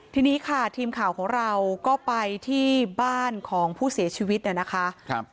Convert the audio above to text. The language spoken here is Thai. ทีนี้ค่ะทีมข่าวของเราก็ไปที่บ้านของผู้เสียชีวิตเนี่ยนะคะ